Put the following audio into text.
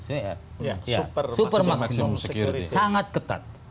super maksimum sangat ketat